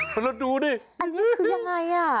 มานอนดูดิอันนี้คือยังไง